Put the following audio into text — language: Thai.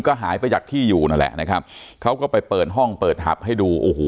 ก็หายไปจากที่อยู่นั่นแหละนะครับเขาก็ไปเปิดห้องเปิดหับให้ดูโอ้โห